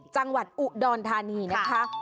จังหวัดอุดรธานีนะคะ